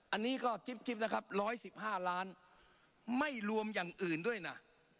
อันนี้ก็จิ๊บนะครับ๑๑๕ล้านไม่รวมอย่างอื่นด้วยนะ